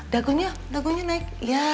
dagunya dagunya naik